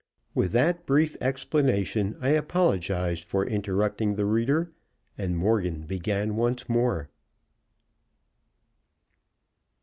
With that brief explanation, I apologized for interrupting the reader, and Morgan began once more.